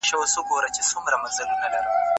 هغه استاد چي تجربه لري ښه لارښود دی.